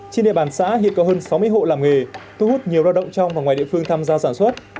trên địa bàn xã hiện có hơn sáu mươi hộ làm nghề thu hút nhiều lao động trong và ngoài địa phương tham gia sản xuất